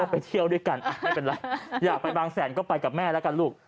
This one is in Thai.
เป็นไก่แสนก็ไปกับแม่ละลูก